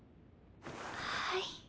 はい。